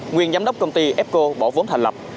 nguyên giám đốc công ty apco bỏ vốn thành lập